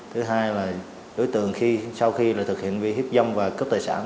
thứ hai là đối tượng khi sau khi thực hiện vi hiếp dâm và cướp tài sản